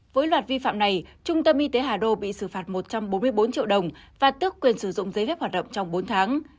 với loạt vi phạm này trung tâm y tế hà đô bị xử phạt một trăm bốn mươi bốn triệu đồng và tước quyền sử dụng giấy phép hoạt động trong bốn tháng